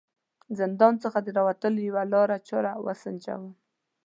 زندان څخه د وتلو یوه لاره چاره و سنجوم.